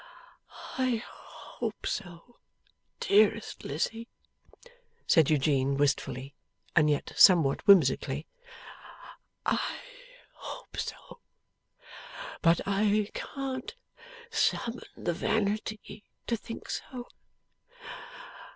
'I hope so, dearest Lizzie,' said Eugene, wistfully, and yet somewhat whimsically. 'I hope so. But I can't summon the vanity to think so.